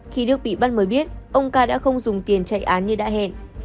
khi đức bị bắt mới biết ông ca đã không dùng tiền chạy án như đã hẹn